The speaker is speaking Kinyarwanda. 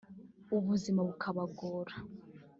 ubuzima bukabagora